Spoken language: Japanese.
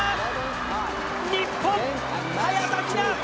日本、早田ひな！